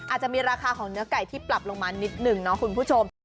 อาจจะมีราคาของเนื้อไก่ที่ปรับลงมานิดนึงเนาะคุณผู้ชม